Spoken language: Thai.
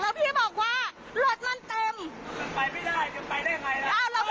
อย่ามาแตะต้องสินทรัพย์ต้องตัวของหนู